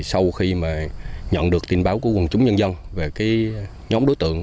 sau khi mà nhận được tin báo của quân chúng nhân dân về cái nhóm đối tượng